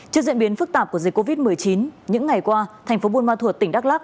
trước diễn biến phức tạp của dịch covid một mươi chín những ngày qua thành phố buôn ma thuột tỉnh đắk lắc